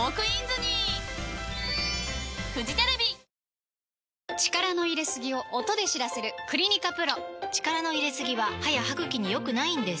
えっ⁉力の入れすぎを音で知らせる「クリニカＰＲＯ」力の入れすぎは歯や歯ぐきに良くないんです